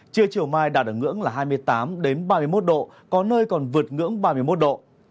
chưa chiều mai đã được ngưỡng là hai mươi tám đến ba mươi một độ có nơi còn vượt ngưỡng ba mươi một độ